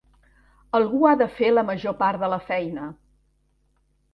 Algú ha de fer la major part de la feina.